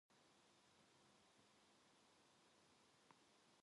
국무총리는 국무위원의 해임을 대통령에게 건의할 수 있다.